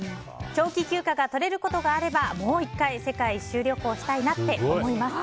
長期休暇が取れることがあればもう１回世界一周旅行したいなって思います。